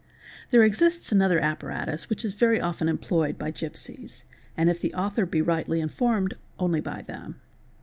37 & 38. || There exists another apparatus which is very often employed by gipsies: and if the author be rightly informed only by them".